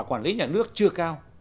quản lý nhà nước chưa cao